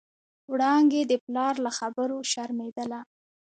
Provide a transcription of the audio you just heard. وړانګې د پلار له خبرو شرمېدله.